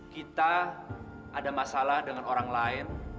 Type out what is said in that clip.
kita ada masalah dengan orang lain